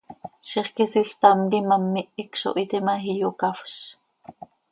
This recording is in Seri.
Zixquisiil ctam quih imám ihic zo hiite ma, iyocafz.